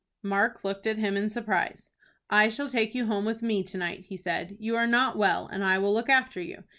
Mark looked at him in surprise. "I shall take you home with me to night," he said. "You are not well, and I will look after you.